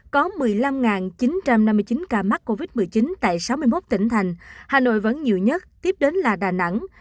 có một mươi năm chín trăm năm mươi chín ca mắc covid một mươi chín tại sáu mươi một tỉnh thành hà nội vẫn nhiều nhất tiếp đến là đà nẵng